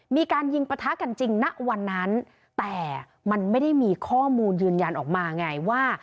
มีการยิงประทะกันจริงณวันนั้นแต่มันไม่ได้มีข้อมูลยืนยันออกมาไงว่า